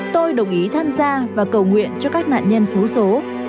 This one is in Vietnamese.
tôi đồng ý tham gia và cầu nguyện cho các nạn nhân xấu xố